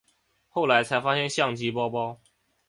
后来才发现相机包包